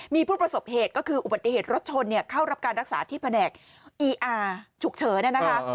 มีผู้ประสบเหตุก็คืออุบัติเหตุรถชนเข้ารับการรักษาที่แผนกอีอาร์ฉุกเฉินนะคะ